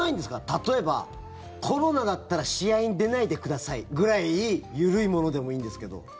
例えばコロナだったら試合に出ないでくださいぐらい緩いものでもいいんですけど。